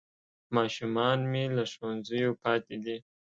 ماشومان مې له ښوونځیو پاتې دي